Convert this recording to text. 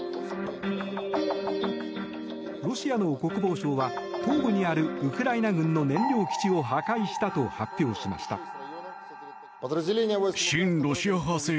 ロシアの国防省は東部にあるウクライナ軍の燃料基地を破壊したと発表しました。